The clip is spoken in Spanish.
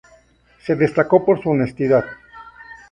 Se destacó por su honestidad.